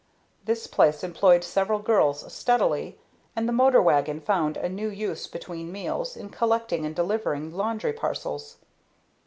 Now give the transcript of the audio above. This place employed several girls steadily, and the motor wagon found a new use between meals, in collecting and delivering laundry parcels.